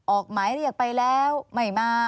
ออกหมายเรียกไปแล้วไม่มา